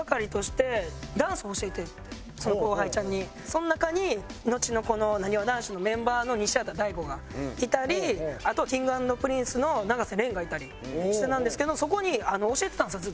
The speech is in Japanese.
その中にのちのこのなにわ男子のメンバーの西畑大吾がいたりあとはＫｉｎｇ＆Ｐｒｉｎｃｅの永瀬廉がいたりしてたんですけどそこに教えてたんですよ